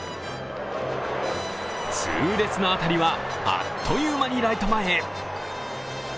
痛烈な当たりはあっという間にライト前へ。